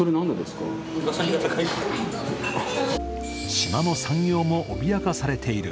島の産業も脅かされている。